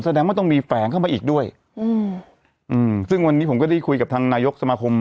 แสดงว่าต้องมีแฝงเข้ามาอีกด้วยอืมอืมซึ่งวันนี้ผมก็ได้คุยกับทางนายกสมาคม